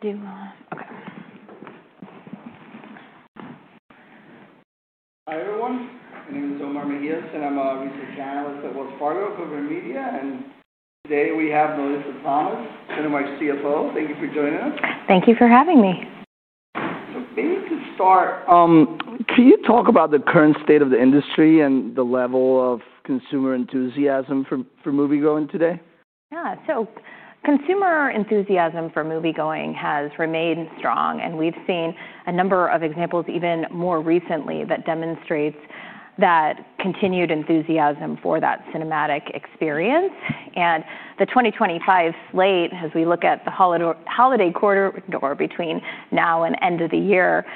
Do you want—okay? Hi everyone. My name is Omar Mejias, and I'm a research analyst at Wells Fargo Covered Media. Today we have Melissa Thomas, Cinemark CFO. Thank you for joining us. Thank you for having me. Maybe to start, can you talk about the current state of the industry and the level of consumer enthusiasm for movie-going today? Yeah. Consumer enthusiasm for movie-going has remained strong, and we've seen a number of examples even more recently that demonstrate that continued enthusiasm for that cinematic experience. The 2025 slate, as we look at the holiday quarter door between now and end of the year,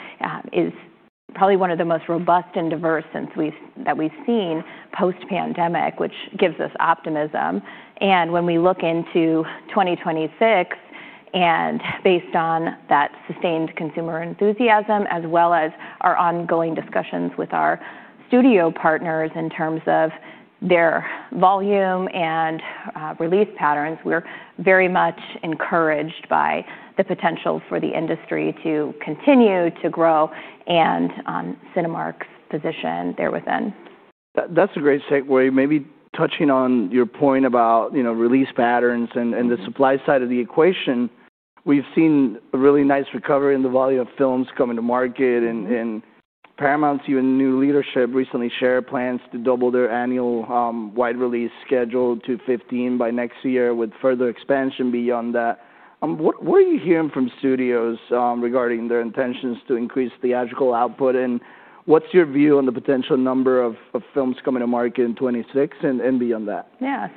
is probably one of the most robust and diverse since we've—that we've seen post-pandemic, which gives us optimism. When we look into 2026, and based on that sustained consumer enthusiasm, as well as our ongoing discussions with our studio partners in terms of their volume and release patterns, we're very much encouraged by the potential for the industry to continue to grow and Cinemark's position there within. That's a great segue. Maybe touching on your point about, you know, release patterns and the supply side of the equation, we've seen a really nice recovery in the volume of films coming to market, and Paramount's new leadership recently shared plans to double their annual wide release schedule to 15 by next year with further expansion beyond that. What are you hearing from studios regarding their intentions to increase theatrical output? And what's your view on the potential number of films coming to market in 2026 and beyond that? Yeah.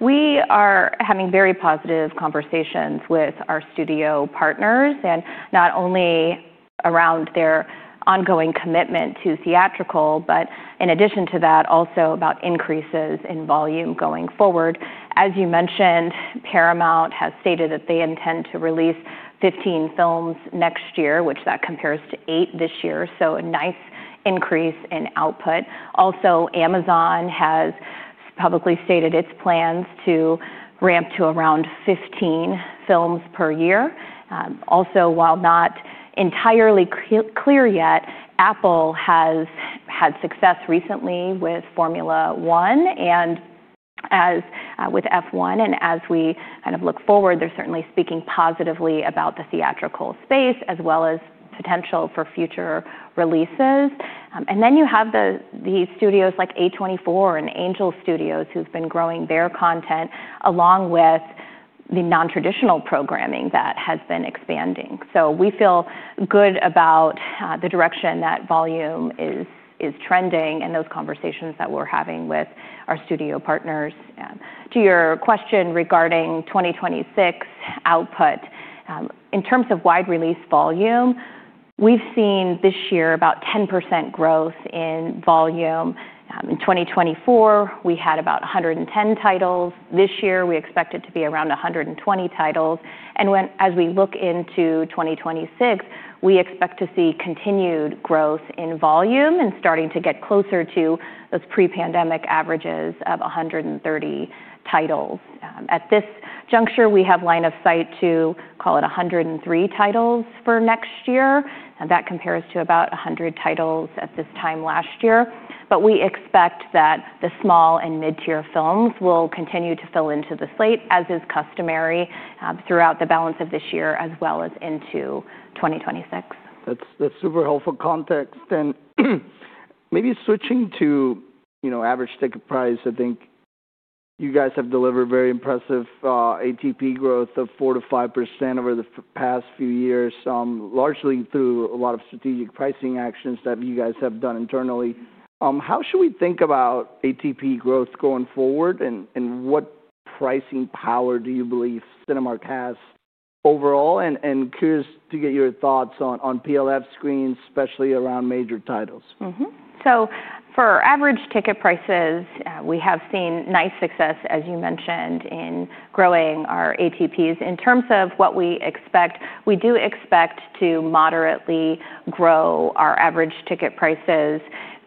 We are having very positive conversations with our studio partners, and not only around their ongoing commitment to theatrical, but in addition to that, also about increases in volume going forward. As you mentioned, Paramount has stated that they intend to release 15 films next year, which compares to eight this year. A nice increase in output. Also, Amazon has publicly stated its plans to ramp to around 15 films per year. Also, while not entirely clear yet, Apple has had success recently with F1, and as we kind of look forward, they're certainly speaking positively about the theatrical space as well as potential for future releases. Then you have studios like A24 and Angel Studios who've been growing their content along with the non-traditional programming that has been expanding. We feel good about the direction that volume is trending and those conversations that we're having with our studio partners. To your question regarding 2026 output, in terms of wide release volume, we've seen this year about 10% growth in volume. In 2024, we had about 110 titles. This year, we expect it to be around 120 titles. When we look into 2026, we expect to see continued growth in volume and starting to get closer to those pre-pandemic averages of 130 titles. At this juncture, we have line of sight to, call it, 103 titles for next year. That compares to about 100 titles at this time last year. We expect that the small and mid-tier films will continue to fill into the slate, as is customary, throughout the balance of this year as well as into 2026. That's super helpful context. Maybe switching to, you know, average ticket price, I think you guys have delivered very impressive ATP growth of 4%-5% over the past few years, largely through a lot of strategic pricing actions that you guys have done internally. How should we think about ATP growth going forward? What pricing power do you believe Cinemark has overall? Curious to get your thoughts on PLF screens, especially around major titles. Mm-hmm. For average ticket prices, we have seen nice success, as you mentioned, in growing our ATPs. In terms of what we expect, we do expect to moderately grow our average ticket prices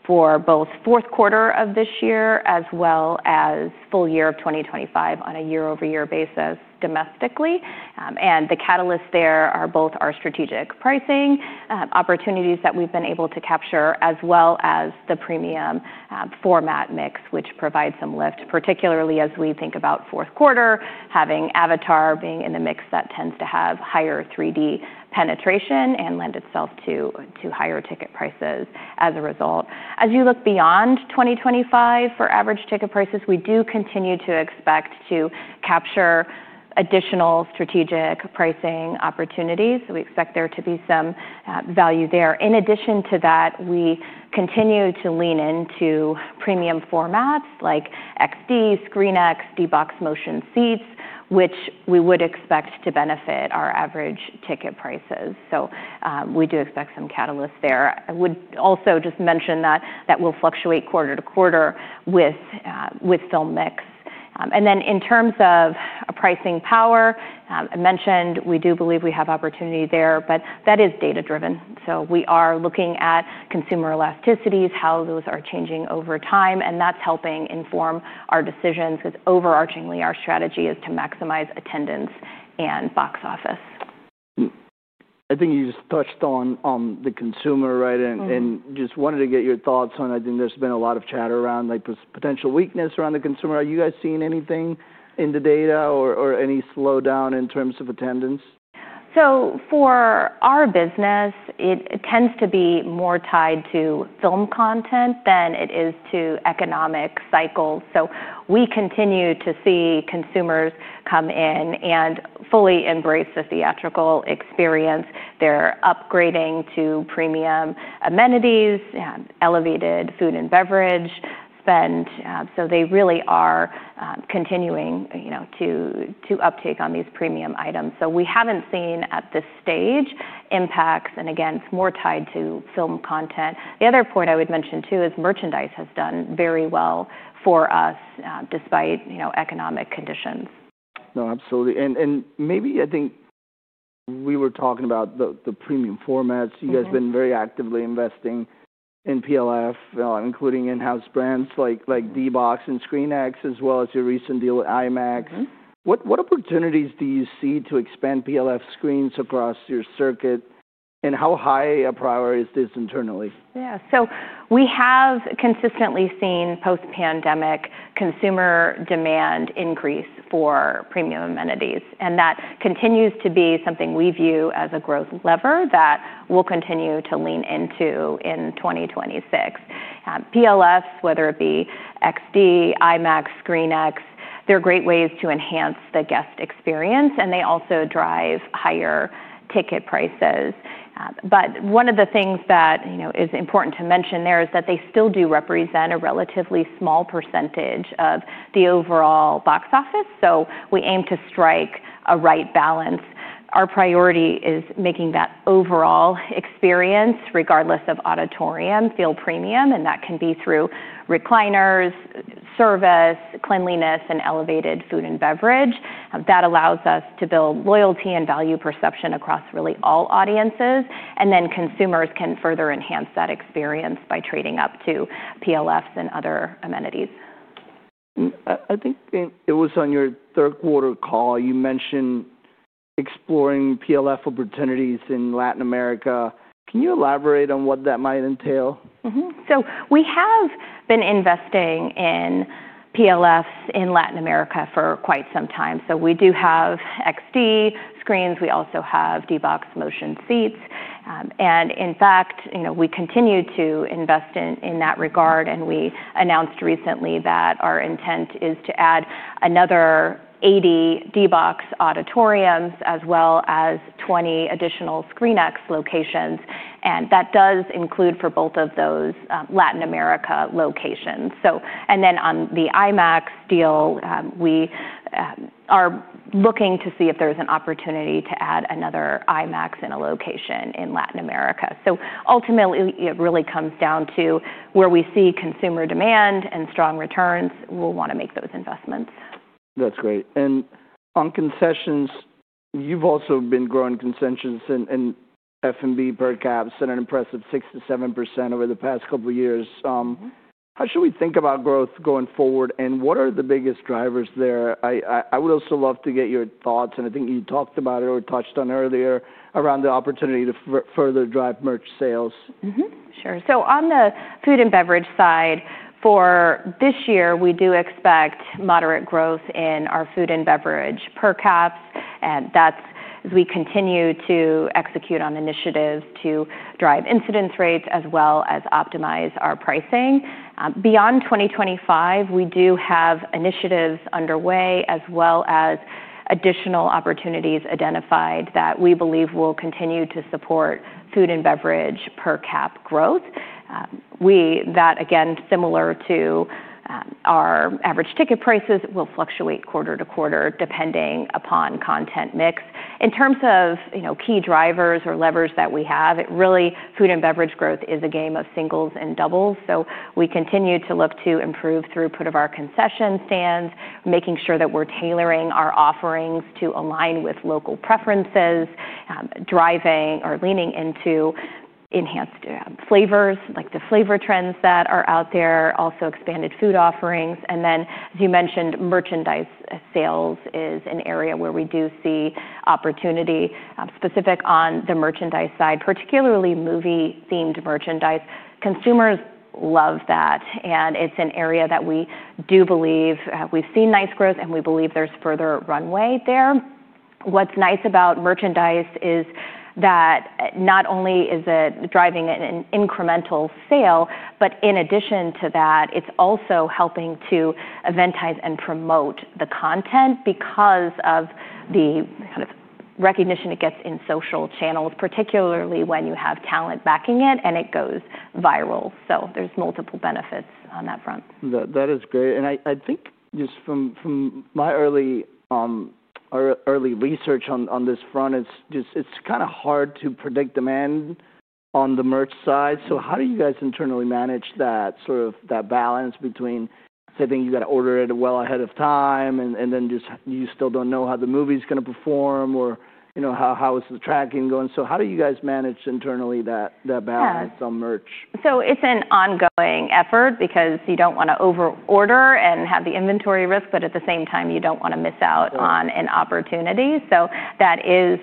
for both fourth quarter of this year as well as full year of 2025 on a year-over-year basis domestically. The catalysts there are both our strategic pricing opportunities that we've been able to capture, as well as the premium format mix, which provides some lift, particularly as we think about fourth quarter, having Avatar being in the mix that tends to have higher 3D penetration and lend itself to higher ticket prices as a result. As you look beyond 2025 for average ticket prices, we do continue to expect to capture additional strategic pricing opportunities. We expect there to be some value there. In addition to that, we continue to lean into premium formats like XD, ScreenX, D-BOX motion seats, which we would expect to benefit our average ticket prices. We do expect some catalysts there. I would also just mention that that will fluctuate quarter to quarter with film mix. In terms of pricing power, I mentioned we do believe we have opportunity there, but that is data-driven. We are looking at consumer elasticities, how those are changing over time, and that's helping inform our decisions 'cause overarchingly, our strategy is to maximize attendance and box office. I think you just touched on the consumer, right? I just wanted to get your thoughts on, I think there's been a lot of chatter around, like, this potential weakness around the consumer. Are you guys seeing anything in the data or any slowdown in terms of attendance? For our business, it tends to be more tied to film content than it is to economic cycles. We continue to see consumers come in and fully embrace the theatrical experience. They're upgrading to premium amenities, elevated food and beverage spend, so they really are, continuing, you know, to uptake on these premium items. We haven't seen at this stage impacts. Again, it's more tied to film content. The other point I would mention too is merchandise has done very well for us, despite, you know, economic conditions. No, absolutely. Maybe I think we were talking about the premium formats. You guys have been very actively investing in PLF, including in-house brands like D-BOX and ScreenX, as well as your recent deal with IMAX. Mm-hmm. What opportunities do you see to expand PLF screens across your circuit, and how high a priority is this internally? Yeah. We have consistently seen post-pandemic consumer demand increase for premium amenities. That continues to be something we view as a growth lever that we'll continue to lean into in 2026. PLFs, whether it be XD, IMAX, ScreenX, they're great ways to enhance the guest experience, and they also drive higher ticket prices. One of the things that, you know, is important to mention there is that they still do represent a relatively small percentage of the overall box office. We aim to strike a right balance. Our priority is making that overall experience, regardless of auditorium, feel premium. That can be through recliners, service, cleanliness, and elevated food and beverage. That allows us to build loyalty and value perception across really all audiences. Consumers can further enhance that experience by trading up to PLFs and other amenities. I think it was on your third quarter call, you mentioned exploring PLF opportunities in Latin America. Can you elaborate on what that might entail? Mm-hmm. We have been investing in PLFs in Latin America for quite some time. We do have XD screens. We also have D-BOX motion seats, and in fact, you know, we continue to invest in that regard. We announced recently that our intent is to add another 80 D-BOX auditoriums as well as 20 additional ScreenX locations. That does include, for both of those, Latin America locations. On the IMAX deal, we are looking to see if there's an opportunity to add another IMAX in a location in Latin America. Ultimately, it really comes down to where we see consumer demand and strong returns, we'll want to make those investments. That's great. On concessions, you've also been growing concessions in F&B per caps at an impressive 6%-7% over the past couple of years. How should we think about growth going forward, and what are the biggest drivers there? I would also love to get your thoughts. I think you talked about it or touched on earlier around the opportunity to further drive merch sales. Mm-hmm. Sure. On the food and beverage side, for this year, we do expect moderate growth in our food and beverage per caps. That is as we continue to execute on initiatives to drive incidence rates as well as optimize our pricing. Beyond 2025, we do have initiatives underway as well as additional opportunities identified that we believe will continue to support food and beverage per cap growth. That again, similar to our average ticket prices, will fluctuate quarter to quarter depending upon content mix. In terms of, you know, key drivers or levers that we have, really food and beverage growth is a game of singles and doubles. We continue to look to improve throughput of our concession stands, making sure that we're tailoring our offerings to align with local preferences, driving or leaning into enhanced flavors, like the flavor trends that are out there, also expanded food offerings. As you mentioned, merchandise sales is an area where we do see opportunity, specific on the merchandise side, particularly movie-themed merchandise. Consumers love that. It's an area that we do believe, we've seen nice growth, and we believe there's further runway there. What's nice about merchandise is that not only is it driving an incremental sale, but in addition to that, it's also helping to eventize and promote the content because of the kind of recognition it gets in social channels, particularly when you have talent backing it and it goes viral. There's multiple benefits on that front. That is great. I think just from my early, early research on this front, it's just, it's kind of hard to predict demand on the merch side. How do you guys internally manage that sort of balance between saying you gotta order it well ahead of time and then you still don't know how the movie's gonna perform or, you know, how is the tracking going? How do you guys manage internally that balance on merch? It's an ongoing effort because you don't wanna overorder and have the inventory risk, but at the same time, you don't wanna miss out on an opportunity. That is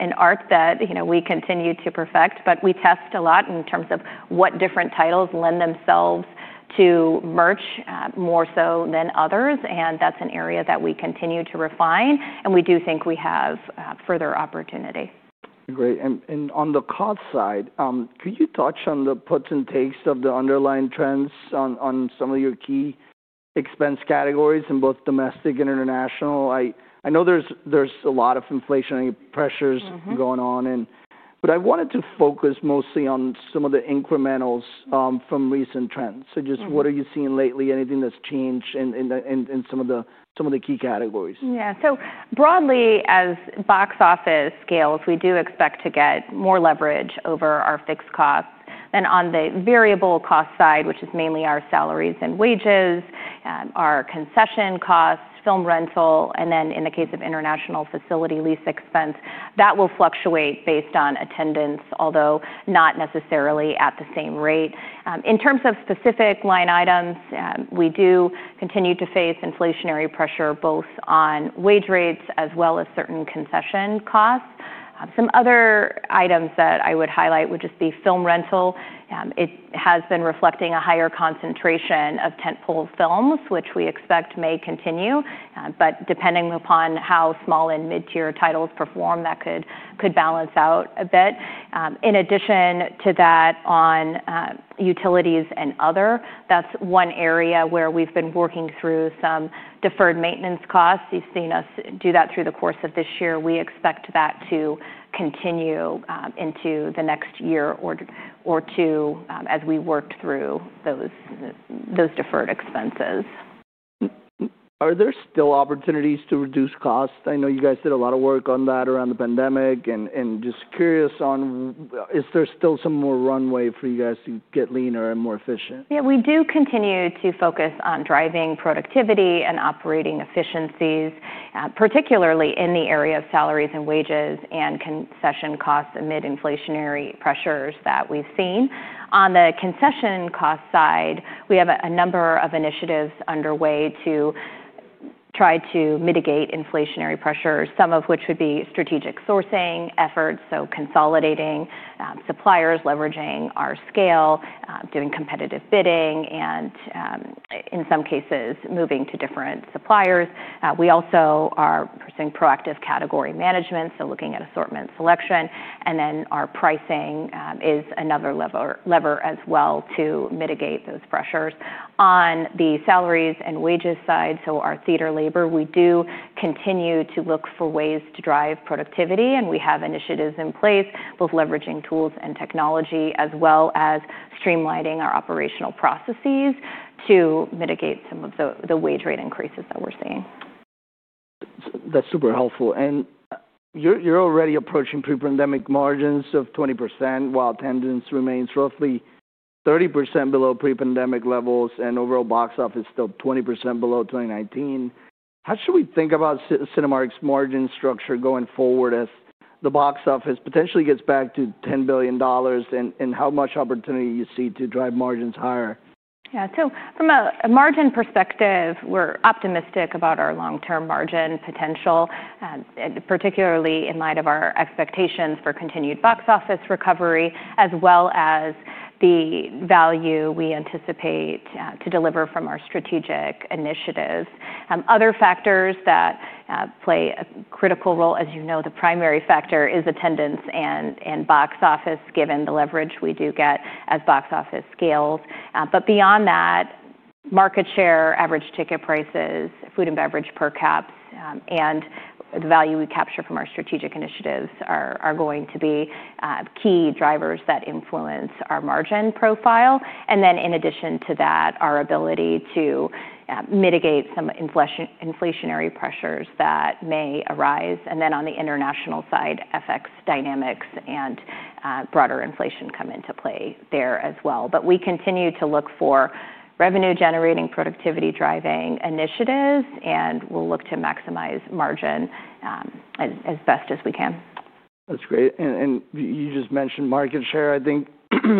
an art that, you know, we continue to perfect. We test a lot in terms of what different titles lend themselves to merch, more so than others. That's an area that we continue to refine. We do think we have further opportunity. Great. On the cost side, could you touch on the puts and takes of the underlying trends on some of your key expense categories in both domestic and international? I know there's a lot of inflationary pressures. Mm-hmm. I wanted to focus mostly on some of the incrementals from recent trends. Just what are you seeing lately? Anything that's changed in some of the key categories? Yeah. So broadly, as box office scales, we do expect to get more leverage over our fixed costs. On the variable cost side, which is mainly our salaries and wages, our concession costs, film rental, and then in the case of international facility lease expense, that will fluctuate based on attendance, although not necessarily at the same rate. In terms of specific line items, we do continue to face inflationary pressure both on wage rates as well as certain concession costs. Some other items that I would highlight would just be film rental. It has been reflecting a higher concentration of tentpole films, which we expect may continue. Depending upon how small and mid-tier titles perform, that could balance out a bit. In addition to that, on utilities and other, that is one area where we have been working through some deferred maintenance costs. You've seen us do that through the course of this year. We expect that to continue into the next year or two, as we work through those deferred expenses. Are there still opportunities to reduce costs? I know you guys did a lot of work on that around the pandemic, and just curious on, is there still some more runway for you guys to get leaner and more efficient? Yeah. We do continue to focus on driving productivity and operating efficiencies, particularly in the area of salaries and wages and concession costs amid inflationary pressures that we've seen. On the concession cost side, we have a number of initiatives underway to try to mitigate inflationary pressures, some of which would be strategic sourcing efforts. Consolidating suppliers, leveraging our scale, doing competitive bidding, and, in some cases, moving to different suppliers. We also are pursuing proactive category management, looking at assortment selection. Our pricing is another lever as well to mitigate those pressures. On the salaries and wages side, our theater labor, we do continue to look for ways to drive productivity. We have initiatives in place, both leveraging tools and technology, as well as streamlining our operational processes to mitigate some of the wage rate increases that we're seeing. That's super helpful. You're already approaching pre-pandemic margins of 20% while attendance remains roughly 30% below pre-pandemic levels and overall box office still 20% below 2019. How should we think about Cinemark's margin structure going forward as the box office potentially gets back to $10 billion, and how much opportunity you see to drive margins higher? Yeah. From a margin perspective, we're optimistic about our long-term margin potential, particularly in light of our expectations for continued box office recovery, as well as the value we anticipate to deliver from our strategic initiatives. Other factors that play a critical role, as you know, the primary factor is attendance and box office, given the leverage we do get as box office scales. Beyond that, market share, average ticket prices, food and beverage per caps, and the value we capture from our strategic initiatives are going to be key drivers that influence our margin profile. In addition to that, our ability to mitigate some inflation-inflationary pressures that may arise. On the international side, FX dynamics and broader inflation come into play there as well. We continue to look for revenue-generating productivity driving initiatives, and we'll look to maximize margin, as best as we can. That's great. You just mentioned market share. I think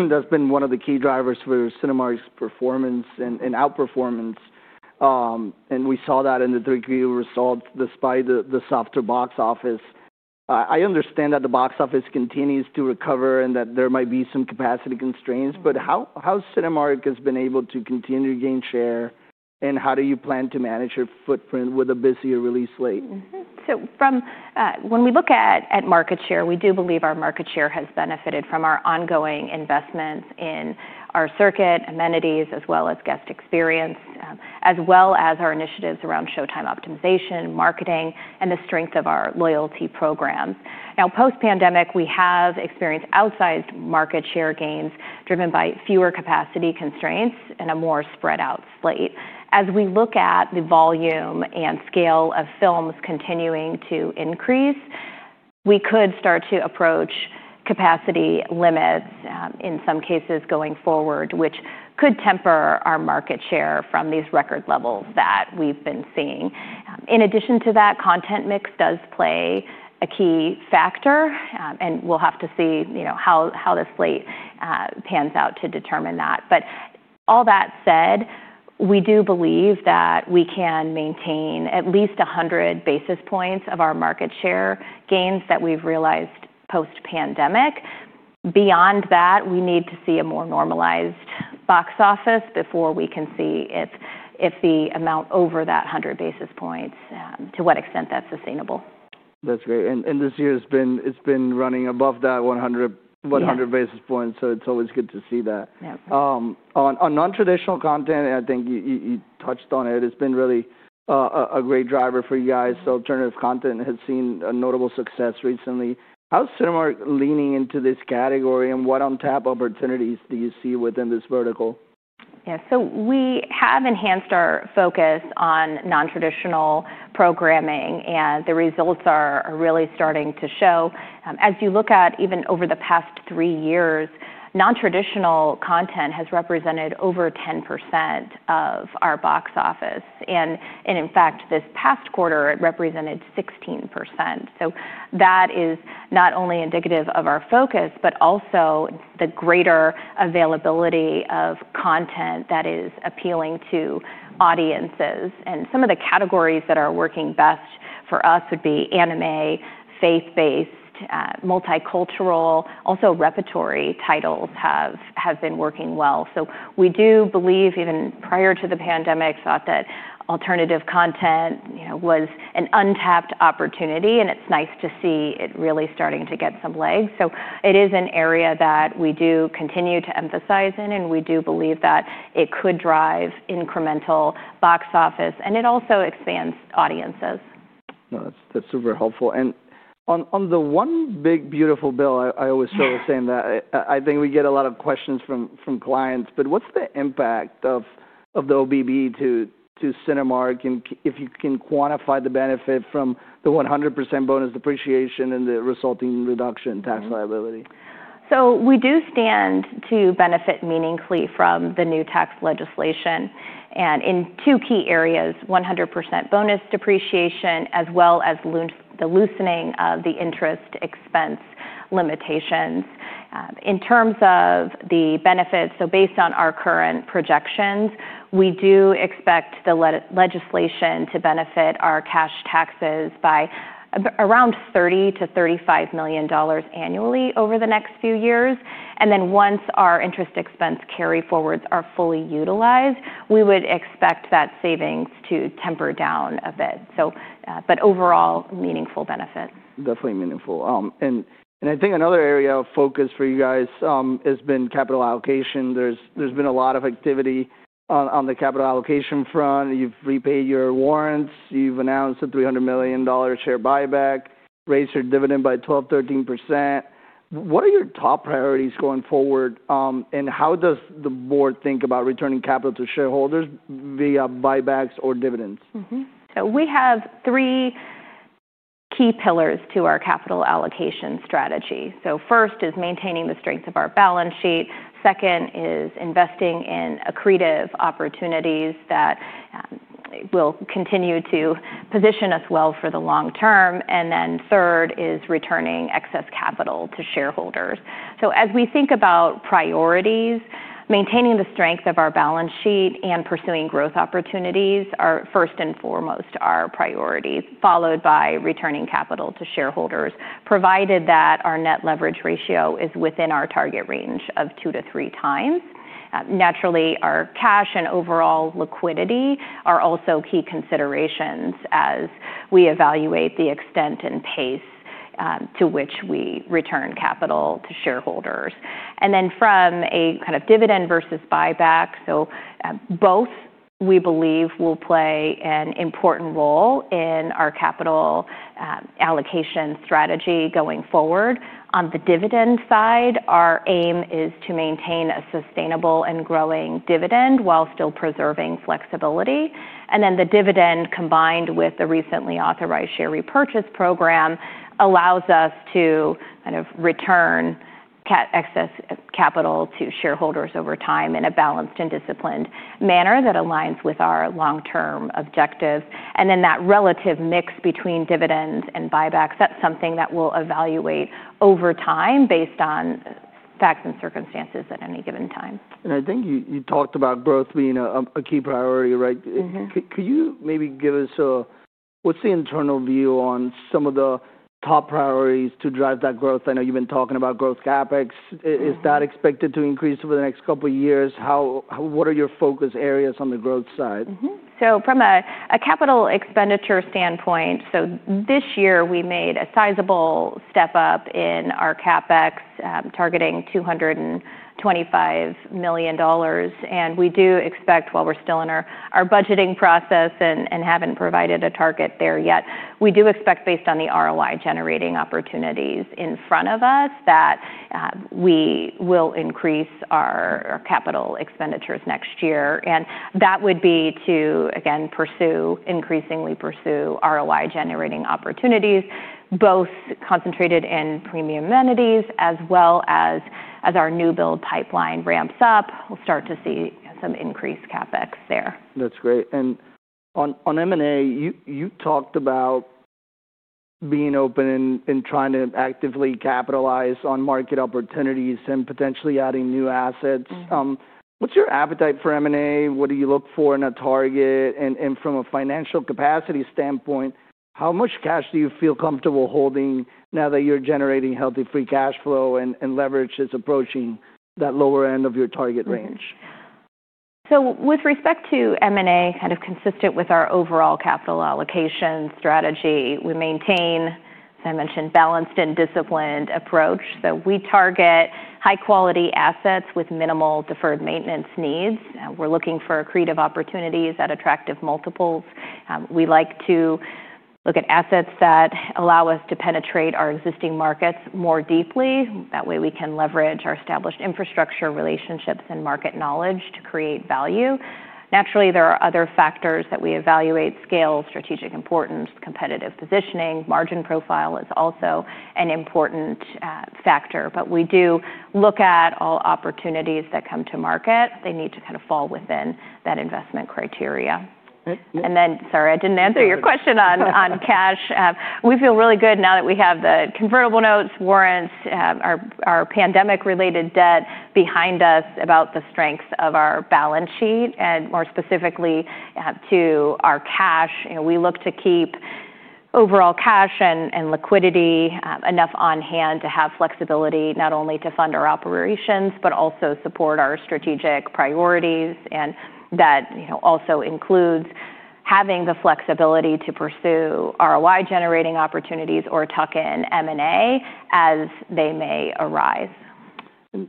that's been one of the key drivers for Cinemark's performance and outperformance. We saw that in the 3Q results despite the softer box office. I understand that the box office continues to recover and that there might be some capacity constraints. How has Cinemark been able to continue to gain share, and how do you plan to manage your footprint with a busier release slate? Mm-hmm. From, when we look at market share, we do believe our market share has benefited from our ongoing investments in our circuit amenities, as well as guest experience, as well as our initiatives around showtime optimization, marketing, and the strength of our loyalty programs. Now, post-pandemic, we have experienced outsized market share gains driven by fewer capacity constraints and a more spread-out slate. As we look at the volume and scale of films continuing to increase, we could start to approach capacity limits, in some cases going forward, which could temper our market share from these record levels that we've been seeing. In addition to that, content mix does play a key factor, and we'll have to see, you know, how the slate pans out to determine that. All that said, we do believe that we can maintain at least 100 basis points of our market share gains that we've realized post-pandemic. Beyond that, we need to see a more normalized box office before we can see if the amount over that 100 basis points, to what extent that's sustainable. That's great. And this year has been, it's been running above that 100 basis points. Yeah. It's always good to see that. Yeah. On non-traditional content, I think you touched on it. It's been really a great driver for you guys. Alternative content has seen a notable success recently. How's Cinemark leaning into this category, and what on-tap opportunities do you see within this vertical? Yeah. We have enhanced our focus on non-traditional programming, and the results are really starting to show. As you look at even over the past three years, non-traditional content has represented over 10% of our box office. In fact, this past quarter, it represented 16%. That is not only indicative of our focus, but also the greater availability of content that is appealing to audiences. Some of the categories that are working best for us would be anime, faith-based, multicultural, and also repertory titles have been working well. We do believe, even prior to the pandemic, thought that alternative content, you know, was an untapped opportunity, and it is nice to see it really starting to get some legs. It is an area that we do continue to emphasize in, and we do believe that it could drive incremental box office, and it also expands audiences. No, that's super helpful. On the One Big Beautiful Bill, I always struggle saying that. I think we get a lot of questions from clients. What's the impact of the OBB to Cinemark? If you can quantify the benefit from the 100% bonus depreciation and the resulting reduction in tax liability? We do stand to benefit meaningfully from the new tax legislation and in two key areas: 100% bonus depreciation, as well as the loosening of the interest expense limitations. In terms of the benefits, based on our current projections, we do expect the legislation to benefit our cash taxes by around $30-$35 million annually over the next few years. Once our interest expense carry forwards are fully utilized, we would expect that savings to temper down a bit. Overall, meaningful benefit. Definitely meaningful. I think another area of focus for you guys has been capital allocation. There has been a lot of activity on the capital allocation front. You have repaid your warrants. You have announced a $300 million share buyback, raised your dividend by 12%-13%. What are your top priorities going forward? How does the board think about returning capital to shareholders via buybacks or dividends? Mm-hmm. We have three key pillars to our capital allocation strategy. First is maintaining the strength of our balance sheet. Second is investing in accretive opportunities that will continue to position us well for the long term. Third is returning excess capital to shareholders. As we think about priorities, maintaining the strength of our balance sheet and pursuing growth opportunities are first and foremost our priorities, followed by returning capital to shareholders, provided that our net leverage ratio is within our target range of two to three times. Naturally, our cash and overall liquidity are also key considerations as we evaluate the extent and pace to which we return capital to shareholders. From a kind of dividend versus buyback, both we believe will play an important role in our capital allocation strategy going forward. On the dividend side, our aim is to maintain a sustainable and growing dividend while still preserving flexibility. The dividend, combined with the recently authorized share repurchase program, allows us to kind of return excess capital to shareholders over time in a balanced and disciplined manner that aligns with our long-term objectives. That relative mix between dividends and buybacks, that's something that we'll evaluate over time based on facts and circumstances at any given time. I think you talked about growth being a key priority, right? Mm-hmm. Could you maybe give us a, what's the internal view on some of the top priorities to drive that growth? I know you've been talking about growth CapEx. Is that expected to increase over the next couple of years? How, what are your focus areas on the growth side? Mm-hmm. From a capital expenditure standpoint, this year we made a sizable step up in our CapEx, targeting $225 million. We do expect, while we're still in our budgeting process and have not provided a target there yet, we do expect, based on the ROI generating opportunities in front of us, that we will increase our capital expenditures next year. That would be to, again, increasingly pursue ROI generating opportunities, both concentrated in premium amenities, as well as, as our new build pipeline ramps up, we will start to see some increased CapEx there. That's great. On M&A, you talked about being open and trying to actively capitalize on market opportunities and potentially adding new assets. Mm-hmm. What's your appetite for M&A? What do you look for in a target? From a financial capacity standpoint, how much cash do you feel comfortable holding now that you're generating healthy free cash flow and leverage is approaching that lower end of your target range? With respect to M&A, kind of consistent with our overall capital allocation strategy, we maintain, as I mentioned, a balanced and disciplined approach. We target high-quality assets with minimal deferred maintenance needs. We're looking for accretive opportunities at attractive multiples. We like to look at assets that allow us to penetrate our existing markets more deeply. That way, we can leverage our established infrastructure, relationships, and market knowledge to create value. Naturally, there are other factors that we evaluate: scale, strategic importance, competitive positioning. Margin profile is also an important factor. We do look at all opportunities that come to market. They need to kind of fall within that investment criteria. Sorry, I did not answer your question on cash. We feel really good now that we have the convertible notes, warrants, our pandemic-related debt behind us, about the strength of our balance sheet, and more specifically, to our cash. You know, we look to keep overall cash and liquidity enough on hand to have flexibility, not only to fund our operations, but also support our strategic priorities. That also includes having the flexibility to pursue ROI generating opportunities or tuck-in M&A as they may arise. I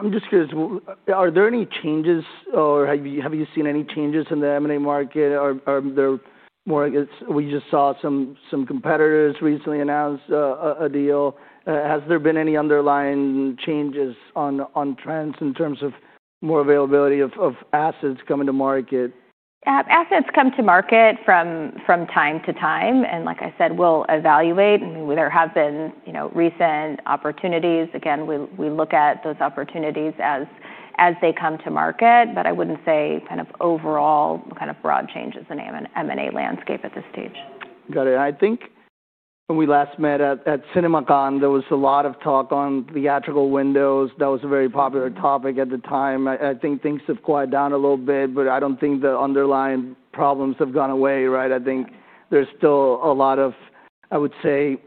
am just curious, are there any changes, or have you seen any changes in the M&A market, or are there more? We just saw some competitors recently announced a deal. Has there been any underlying changes on trends in terms of more availability of assets coming to market? Assets come to market from time to time. Like I said, we'll evaluate. I mean, there have been recent opportunities. We look at those opportunities as they come to market. I would not say kind of overall, kind of broad changes in the M&A landscape at this stage. Got it. I think when we last met at Cinemarkon, there was a lot of talk on theatrical windows. That was a very popular topic at the time. I think things have quieted down a little bit, but I do not think the underlying problems have gone away, right? I think there is still a lot of, I would say,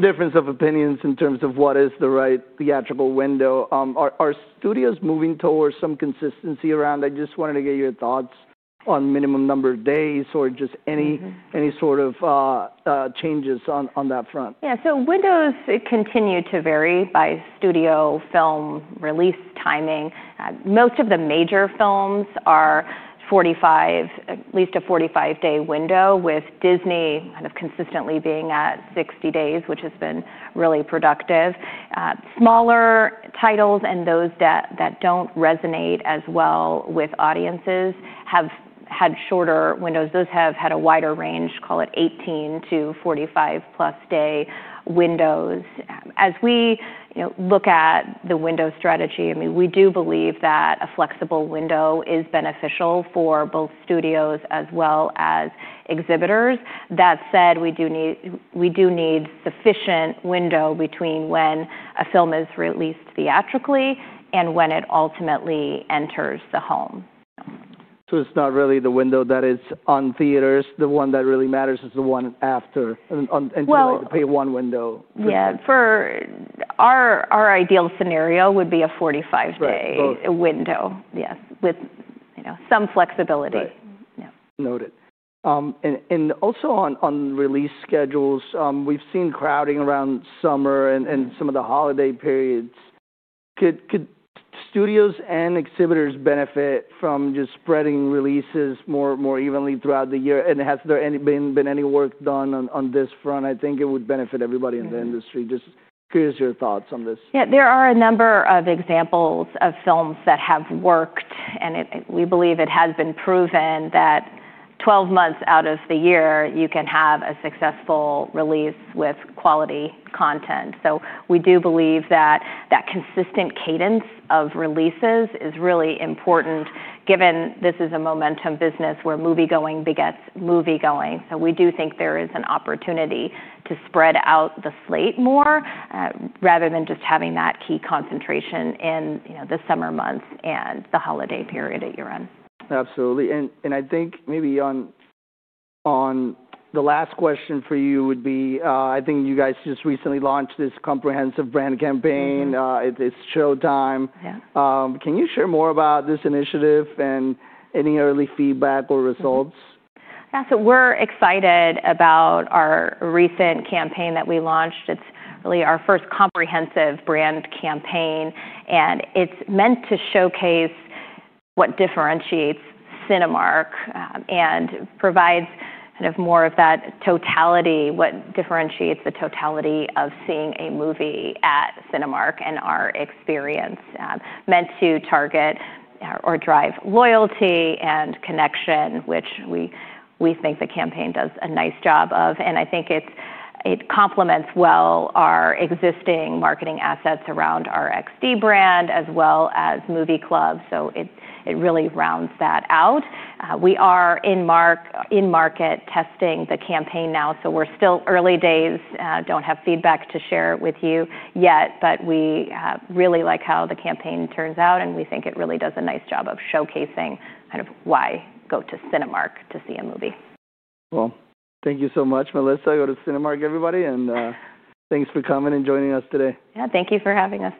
difference of opinions in terms of what is the right theatrical window. Are studios moving towards some consistency around? I just wanted to get your thoughts on minimum number of days or just any sort of changes on that front. Yeah. Windows continue to vary by studio film release timing. Most of the major films are 45, at least a 45-day window, with Disney kind of consistently being at 60 days, which has been really productive. Smaller titles and those that do not resonate as well with audiences have had shorter windows. Those have had a wider range, call it 18-45+ day windows. As we, you know, look at the window strategy, I mean, we do believe that a flexible window is beneficial for both studios as well as exhibitors. That said, we do need sufficient window between when a film is released theatrically and when it ultimately enters the home. It's not really the window that is on theaters. The one that really matters is the one after, until they pay one window. Yeah. For our, our ideal scenario would be a 45-day window. Yes. With, you know, some flexibility. Right. Yeah. Noted. Also, on release schedules, we've seen crowding around summer and some of the holiday periods. Could studios and exhibitors benefit from just spreading releases more evenly throughout the year? Has there been any work done on this front? I think it would benefit everybody in the industry. Just curious your thoughts on this. Yeah. There are a number of examples of films that have worked, and it, we believe it has been proven that 12 months out of the year, you can have a successful release with quality content. So we do believe that that consistent cadence of releases is really important, given this is a momentum business where movie going begets movie going. So we do think there is an opportunity to spread out the slate more, rather than just having that key concentration in, you know, the summer months and the holiday period at year end. Absolutely. I think maybe on the last question for you would be, I think you guys just recently launched this comprehensive brand campaign. It is showtime. Yeah. Can you share more about this initiative and any early feedback or results? Yeah. We're excited about our recent campaign that we launched. It's really our first comprehensive brand campaign, and it's meant to showcase what differentiates Cinemark and provides kind of more of that totality, what differentiates the totality of seeing a movie at Cinemark and our experience. It's meant to target or drive loyalty and connection, which we think the campaign does a nice job of. I think it complements well our existing marketing assets around our XD brand as well as Movie Club. It really rounds that out. We are in market testing the campaign now. We're still early days, don't have feedback to share with you yet, but we really like how the campaign turns out, and we think it really does a nice job of showcasing kind of why go to Cinemark to see a movie. Thank you so much, Melissa. Go to Cinemark, everybody. And thanks for coming and joining us today. Yeah. Thank you for having us.